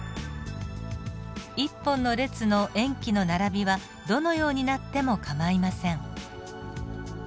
１本の列の塩基の並びはどのようになっても構いません。